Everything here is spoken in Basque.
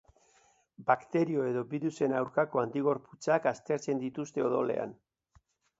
Bakterio edo birusen aurkako antigorputzak aztertzen dituzte odolean.